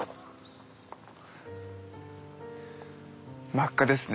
真っ赤ですね。